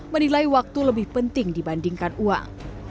menilai waktu lebih penting dibandingkan uang